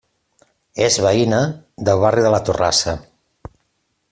És veïna del barri de la Torrassa.